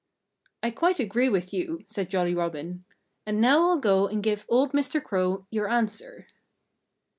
"I quite agree with you," said Jolly Robin. "And now I'll go and give old Mr. Crow your answer."